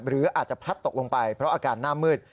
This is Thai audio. หรืออาจจะพลัดตกลงไปเพราะอาการหน้ามืด